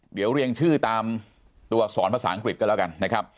เดี๋ยวเรียงชื่อตามตัวอักษรภาษาอังกฤษก็แล้วกันนะครับ